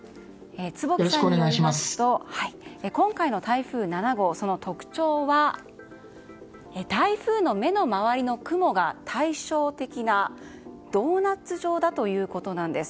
坪木さんによりますと今回の台風７号その特徴は台風の目の周りの雲が対照的なドーナツ状だということなんです。